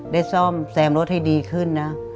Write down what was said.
ซ่อมแซมรถให้ดีขึ้นนะ